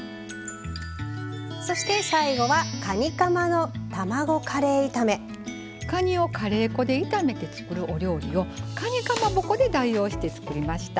そして最後はかにをカレー粉で炒めて作るお料理をかにかまぼこで代用して作りました。